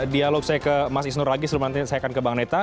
dialog saya ke mas isnur lagi sebelum nanti saya akan ke bang neta